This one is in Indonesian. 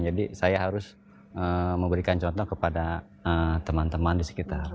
jadi saya harus memberikan contoh kepada teman teman di sekitar